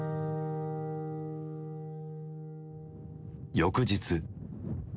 翌日。